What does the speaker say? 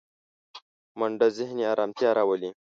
منډه ذهني ارامتیا راولي